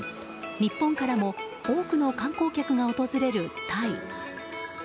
日本からも多くの観光客が訪れるタイ。